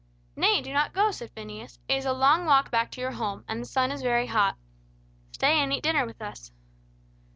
"Nay, do not go," said Phineas. "It is a long walk back to your home, and the sun is very hot. Stay and eat dinner with us."